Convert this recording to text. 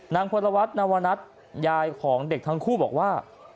นางพวรวัตนาวณัตยายของเด็กทั้งคู่บอกว่า